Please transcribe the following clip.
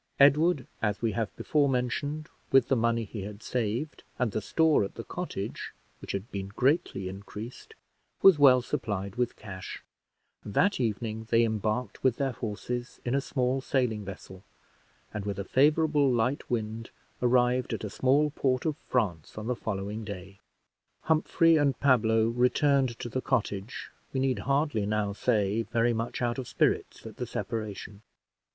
Edward, as we have before mentioned, with the money he had saved, and the store at the cottage, which had been greatly increased, was well supplied with cash; and that evening they embarked, with their horses, in a small sailing vessel, and, with a favorable, light wind, arrived at a small port of France on the following day. Humphrey and Pablo returned to the cottage, we need hardly now say, very much out of spirits at the separation.